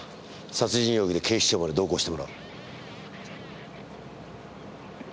殺人容疑で警視庁まで同行してもらう。